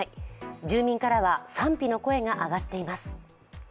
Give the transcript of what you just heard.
住民からは賛否の声が上がっています。